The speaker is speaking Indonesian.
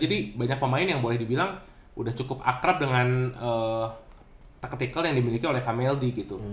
jadi banyak pemain yang boleh dibilang udah cukup akrab dengan tactical yang dimiliki oleh kamel d gitu